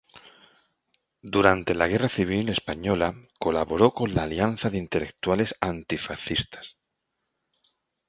Durante la Guerra Civil Española colaboró con la Alianza de Intelectuales Antifascistas.